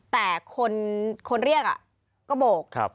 แต่คนเรียกก็โบก